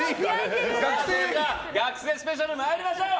学生スペシャル参りましょう。